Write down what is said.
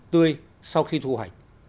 tươi sau khi thu hoạch